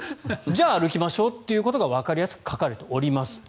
じゃあ歩きましょうということがわかりやすく書かれております。